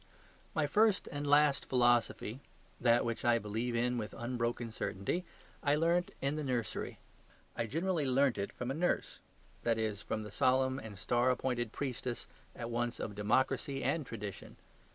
My first and last philosophy, that which I believe in with unbroken certainty, I learnt in the nursery. I generally learnt it from a nurse; that is, from the solemn and star appointed priestess at once of democracy and tradition.